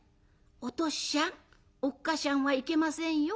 『おとっしゃんおっかしゃん』はいけませんよ。